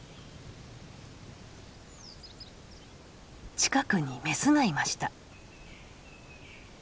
近くにメスがいました。